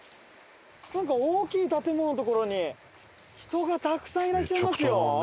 なんか大きい建物の所に人がたくさんいらっしゃいますよ。